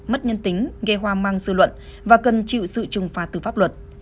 mất nhân tính gây hoa mang dư luận và cần chịu sự trừng phá từ pháp luật